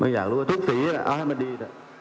อยากรู้ว่าทุกสีเอาให้มันดี